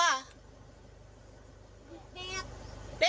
๑เน็ต